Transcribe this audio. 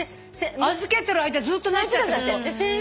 預けてる間ずっと泣いてたってこと？